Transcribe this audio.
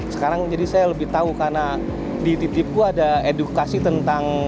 sekarang jadi saya lebih tahu karena di titipku ada edukasi tentang